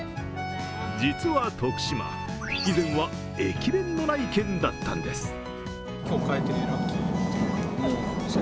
実は徳島、以前は駅弁のない県だったんです。